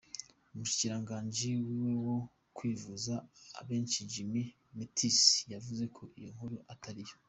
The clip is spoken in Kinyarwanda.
Umushikiranganji wiwe wo kwivuna abansi Jim Mattis yavuze ko iyo nkuru atari yo.